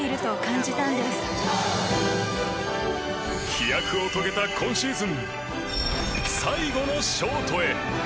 飛躍を遂げた今シーズン最後のショートへ。